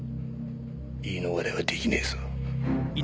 言い逃れは出来ねえぞ。